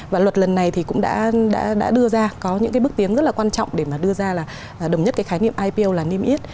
và luật lần này thì cũng đã đưa ra có những cái bước tiến rất là quan trọng để mà đưa ra là đồng nhất cái khái niệm ipo là niêm yết